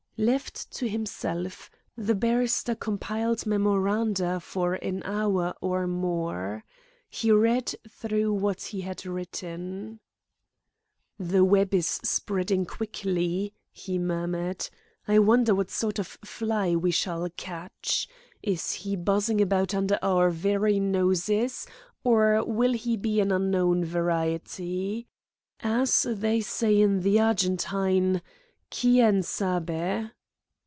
Left to himself, the barrister compiled memoranda for an hour or more. He read through what he had written. "The web is spreading quickly," he murmured. "I wonder what sort of fly we shall catch! Is he buzzing about under our very noses, or will he be an unknown variety? As they say in the Argentine _Quien sabe?